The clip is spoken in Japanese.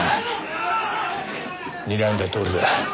にらんだとおりだ。